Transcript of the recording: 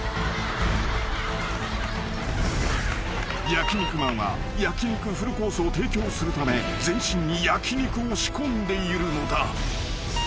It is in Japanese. ［焼肉マンは焼き肉フルコースを提供するため全身に焼き肉を仕込んでいるのだ］